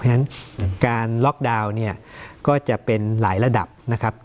เพราะฉะนั้นการล็อกดาวน์เนี่ยก็จะเป็นหลายระดับนะครับ